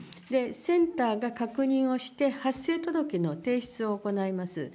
センターが確認をして、発生届の提出を行います。